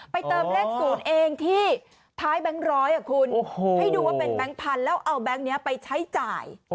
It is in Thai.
เติมเลข๐เองที่ท้ายแบงค์ร้อยคุณให้ดูว่าเป็นแบงค์พันธุ์แล้วเอาแก๊งนี้ไปใช้จ่าย